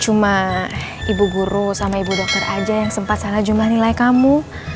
cuma ibu guru sama ibu dokter aja yang sempat salah jumlah nilai kamu